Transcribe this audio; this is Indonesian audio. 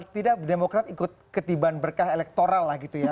tidak demokrat ikut ketiban berkah elektoral lah gitu ya